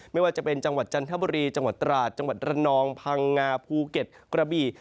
ไม่ว่าจะเป็นจังหวัดจันทบุรีจังหวัดตราดจังหวัดระนองพังงาภูเก็ตกระบี่